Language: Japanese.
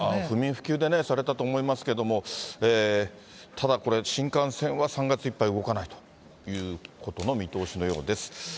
不眠不休でされたと思いますけど、ただこれ、新幹線は３月いっぱい動かないということの見通しのようです。